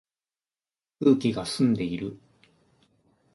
空気が澄んでいる